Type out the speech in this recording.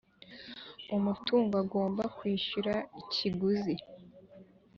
umutungo agomba kwishyura ikiguzi